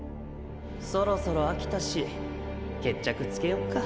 そろそろ飽きたし決着つけよっか。